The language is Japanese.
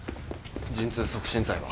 陣痛促進剤は？